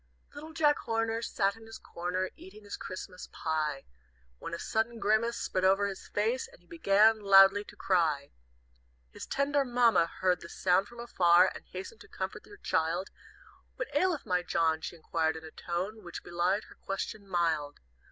"Little Jack Horner Sat in his corner, Eating his Christmas pie, When a sudden grimace Spread over his face, And he began loudly to cry. "His tender Mamma Heard the sound from afar, And hastened to comfort her child; 'What aileth my John?' She inquired in a tone Which belied her question mild.